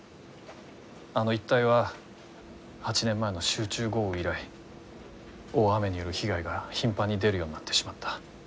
あの一帯は８年前の集中豪雨以来大雨による被害が頻繁に出るようになってしまった。